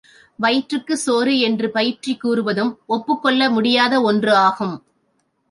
வயிற்றுக்குச் சோறு என்று பயிற்றிக் கூறுவதும் ஒப்புக் கொள்ள முடியாத ஒன்று ஆகும்.